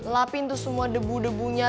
lapin tuh semua debu debunya